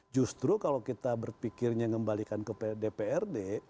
justru kalau kita berpikirnya mengembalikan ke dprd